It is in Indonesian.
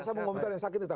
saya mau komentar yang sakit